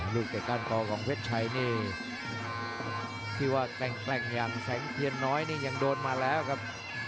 เตะก้านคอของเพชรชัยนี่ที่ว่าแกร่งอย่างแสงเทียนน้อยนี่ยังโดนมาแล้วครับ